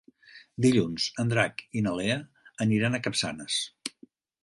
Dilluns en Drac i na Lea aniran a Capçanes.